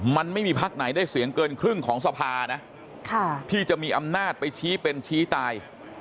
มันไม่มีพักไหนได้เสียงเกินครึ่งของสภานะที่จะมีอำนาจไปชี้เป็นชี้ตาย